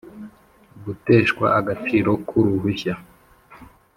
guteshwa agaciro ku ruhushya